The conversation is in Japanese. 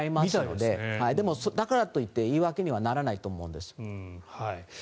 でも、だからといって言い訳にはならないと思うんです。